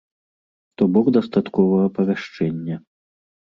То бок дастаткова апавяшчэння.